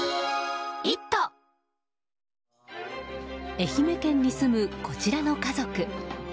愛媛県に住むこちらの家族。